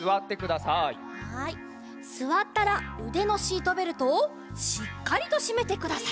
すわったらうでのシートベルトをしっかりとしめてください。